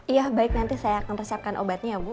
iya baik nanti saya akan persiapkan obatnya ya bu